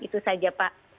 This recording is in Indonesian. itu saja pak